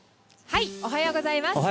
おはようございます。